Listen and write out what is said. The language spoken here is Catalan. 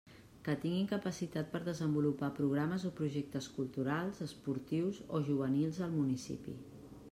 Que tinguin capacitat per desenvolupar programes o projectes culturals, esportius o juvenils al municipi.